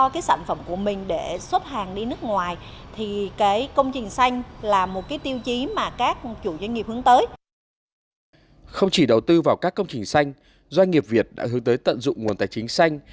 không chỉ đầu tư vào các công trình xanh doanh nghiệp việt đã hướng tới tận dụng nguồn tài chính xanh